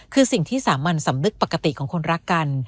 คือสิ่งที่สามัญสำนึกปกติของคนรักกัน